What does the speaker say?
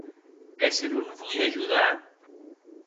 E se non voi ajudar?